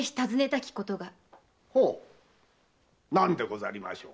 ほう何でございましょう。